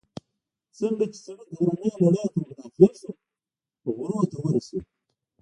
څنګه چې سړک غرنۍ لړۍ ته ور داخل شو، غرونو ته ورسېدو.